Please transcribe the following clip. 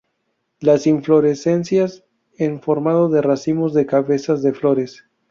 Las inflorescencias en forma de racimos de cabezas de flores.